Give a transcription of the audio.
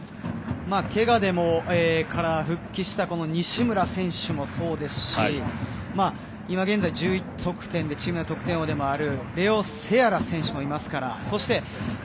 けがで復帰した西村選手もそうですし１１得点の得点王でもあるレオ・セアラ選手もいますね。